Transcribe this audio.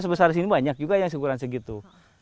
sebesar sini banyak juga yang sekurang sekitu